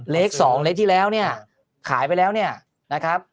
เลข๒เลขที่แล้วเนี่ยขายไปแล้วเนี่ยนะครับ